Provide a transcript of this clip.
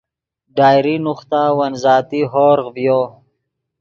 ڈائری نوختا ون ذاتی ہورغ ڤیو